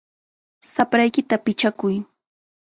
¡Shapraykita pichakuy!